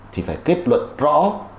thì phải kết luận rõ